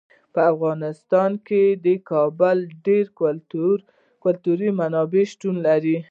په افغانستان کې د کابل ډیرې ګټورې منابع شتون لري.